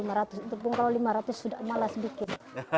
itu pun kalau lima ratus sudah malas bikin